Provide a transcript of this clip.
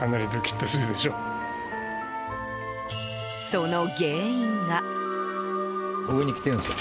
その原因が。